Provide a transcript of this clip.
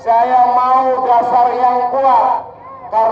saya mau dasar yang kuat